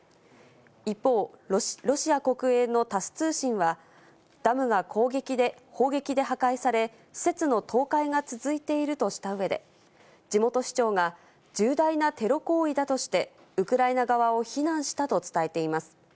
一方、ロシア国営のタス通信は、ダムが砲撃で破壊され、施設の倒壊が続いているとしたうえで、地元市長が、重大なテロ行為だとして、ウクライナ側を非難したと伝えています。